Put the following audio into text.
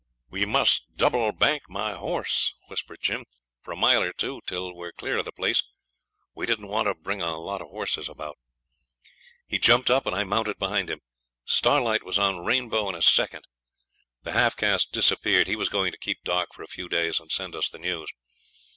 'We must double bank my horse,' whispers Jim, 'for a mile or two, till we're clear of the place; we didn't want to bring a lot of horses about.' He jumped up, and I mounted behind him. Starlight was on Rainbow in a second. The half caste disappeared, he was going to keep dark for a few days and send us the news.